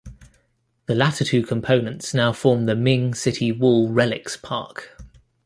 The latter two components now form the Ming City Wall Relics Park.